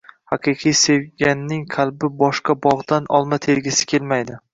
Haqiqiy sevganning qalbi boshqa bog‘dan olma tergisi kelmaydi.